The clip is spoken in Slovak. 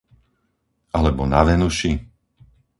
Alebo na Venuši?